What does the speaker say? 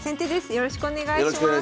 よろしくお願いします。